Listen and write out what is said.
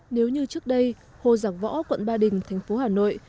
nếu như trước đây hồ giảng võ quận ba đình thành phố hà nội